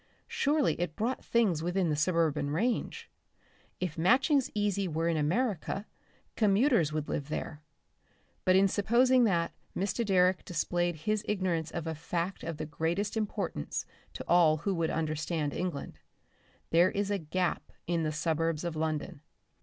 Surely it brought things within the suburban range. If Matching's Easy were in America, commuters would live there. But in supposing that, Mr. Direck displayed his ignorance of a fact of the greatest importance to all who would understand England. There is a gap in the suburbs of London.